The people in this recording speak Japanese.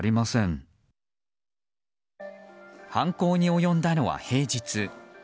犯行に及んだのは平日。